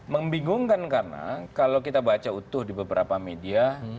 membingungkan karena kalau kita baca utuh di beberapa media